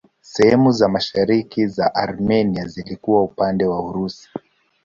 Sehemu za mashariki za Armenia zilikuwa upande wa Urusi.